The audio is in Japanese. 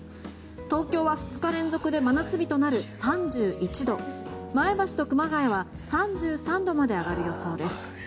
東京は２日連続で真夏日となる３１度前橋と熊谷は３３度まで上がる予想です。